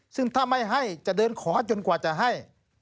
ซึ่งถ้าไม่ให้จะเดินขอจนกว่าจะให้